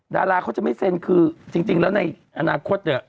ดาราเขาจะไม่เซ็นคือจริงแล้วในอนาคตเนี่ย